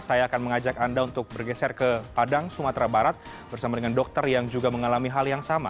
saya akan mengajak anda untuk bergeser ke padang sumatera barat bersama dengan dokter yang juga mengalami hal yang sama